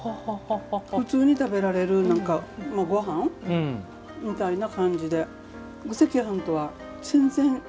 普通に食べられるなんか、ごはん？みたいな感じでお赤飯とは全然。